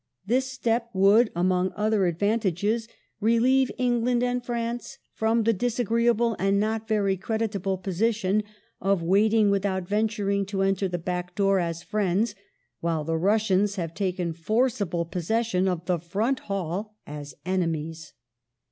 This step would, among other advantages, "relieve England and France from the disagreeable, and not very creditable, position of waiting with out venturing to enter the back door as friends, while the Russians have taken forcible possession of the front hall as enemies